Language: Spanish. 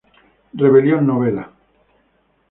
Rebelión Novela